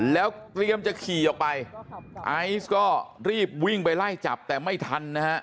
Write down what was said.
แล้วเตรียมจะขี่ออกไปไอซ์ก็รีบวิ่งไปไล่จับแต่ไม่ทันนะฮะ